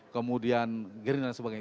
kemudian gerin dan sebagainya